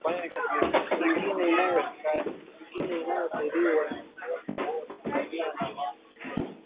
Mingine inayoathiriwa na ugonjwa huo ni ngamia na ngombe